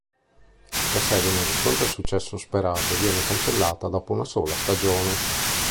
La serie non riscontra il successo sperato e viene cancellata dopo una sola stagione.